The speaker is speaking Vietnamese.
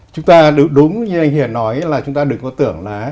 chúng ta được đúng như anh hiền nói là chúng ta đừng có tưởng là